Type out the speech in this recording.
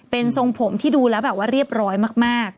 เป็นทรงผมที่ดูแล้วแบบว่าเรียบร้อยมาก